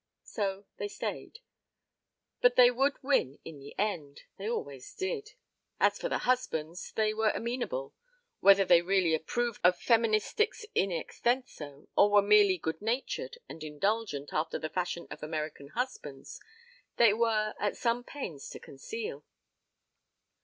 So they stayed. But they would win in the end. They always did. As for the husbands, they were amenable. Whether they really approved of feministics in extenso, or were merely good natured and indulgent after the fashion of American husbands, they were at some pains to conceal.